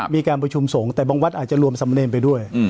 มีการประชุมสงฆ์แต่บางวัดอาจจะรวมสำเนรไปด้วย